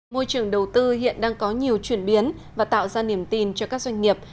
môi trường đầu tư hiện đang có nhiều chuyển biến và tạo ra niềm tin cho các doanh nghiệp